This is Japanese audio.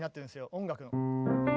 音楽の。